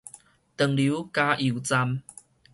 長流加油站